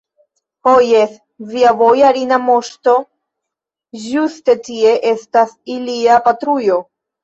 Ho, jes, via bojarina moŝto, ĝuste tie estas ilia patrujo.